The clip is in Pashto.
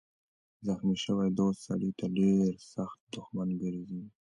زخمي شوی دوست سړی ته ډېر سخت دښمن ګرځي.